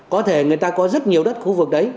có thể người ta có rất nhiều đất khu vực đấy